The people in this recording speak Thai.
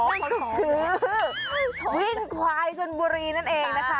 คนของคือวิ่งควายชนบุรีนั่นเองนะคะ